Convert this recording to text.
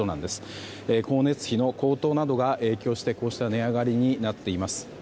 光熱費の高騰などが影響してこうした値上がりになっています。